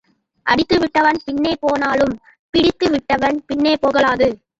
அடித்து விட்டவன் பின்னே போனாலும் பிடித்து விட்டவன் பின்னே போகலாகாது.